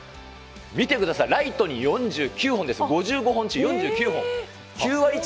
見てください、ライトに４９本です、５５本中４９本。